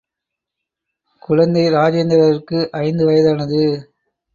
குழந்தை இராஜேந்திரருக்கு ஐந்து வயதானது.